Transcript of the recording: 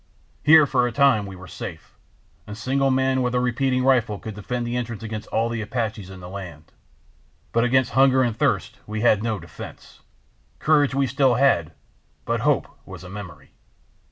Here for a time we were safe: a single man with a repeating rifle could defend the entrance against all the Apaches in the land. But against hunger and thirst we had no defense. Courage we still had, but hope was a memory.